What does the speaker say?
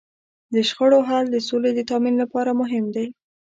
د شخړو حل د سولې د تامین لپاره مهم دی.